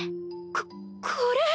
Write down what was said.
ここれ。